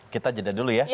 kita jeda dulu ya